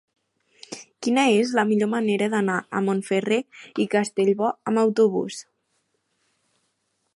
Quina és la millor manera d'anar a Montferrer i Castellbò amb autobús?